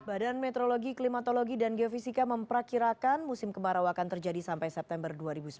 badan meteorologi klimatologi dan geofisika memperkirakan musim kemarau akan terjadi sampai september dua ribu sembilan belas